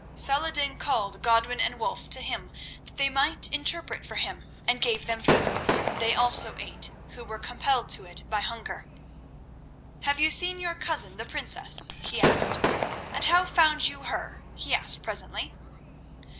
Saladin called Godwin and Wulf to him that they might interpret for him, and gave them food, and they also ate who were compelled to it by hunger. "Have you seen your cousin, the princess?" he asked; "and how found you her?" he asked presently.